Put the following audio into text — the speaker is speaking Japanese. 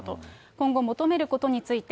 今後、求めることについて。